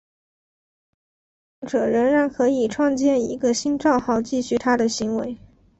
该位使用者仍然可以创建一个新帐号继续他的行为。